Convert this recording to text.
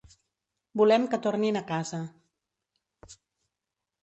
Volem que tornin a casa.